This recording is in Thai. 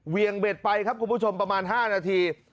งเบ็ดไปครับคุณผู้ชมประมาณ๕นาที